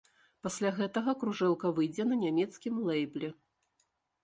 Пасля гэтага кружэлка выйдзе на нямецкім лэйбле.